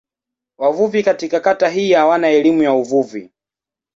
Wavuvi katika kata hii hawana elimu ya uvuvi.